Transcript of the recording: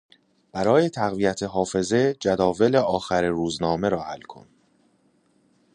برای تقویت حافظه جداول آخر روزنامه را حل کن.